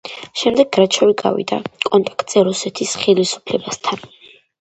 შემდეგ, გრაჩოვი გავიდა კონტაქტზე რუსეთის ხელისუფლებასთან.